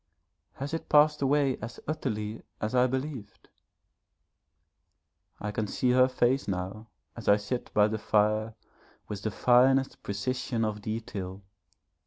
Has it passed away as utterly as I believed? I can see her face now as I sit by the fire with the finest precision of detail.